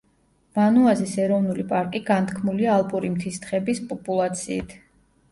ვანუაზის ეროვნული პარკი განთქმულია ალპური მთის თხების პოპულაციით.